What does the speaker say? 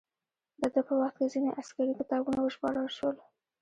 د ده په وخت کې ځینې عسکري کتابونه وژباړل شول.